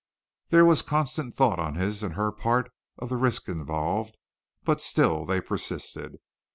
There was constant thought on his and her part of the risk involved, but still they persisted.